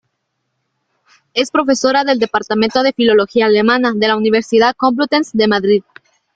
Es profesora del Departamento de Filología Alemana de la Universidad Complutense de Madrid.